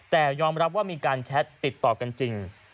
แต่ยอมรับว่ามีการแชทติดต่อกันจริง